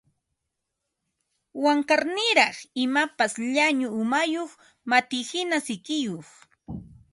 Wankarniraq, imapas llañu umayuq matihina sikiyuq